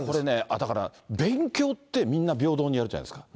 だから勉強ってみんな平等にやるじゃないですか。